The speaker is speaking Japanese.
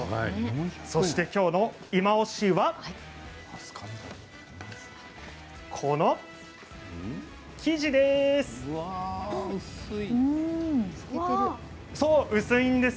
そして、今日のいまオシはこの生地です。